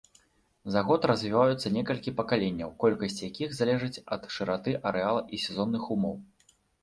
За год развіваюцца некалькі пакаленняў, колькасць якіх залежыць ад шыраты арэала і сезонных умоў.